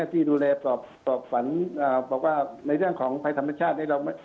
ที่ดูแลฝันบอกว่าในเรื่องของภัยธรรมชาตินี้